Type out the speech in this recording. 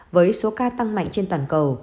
với số ca tăng mạnh trên toàn cầu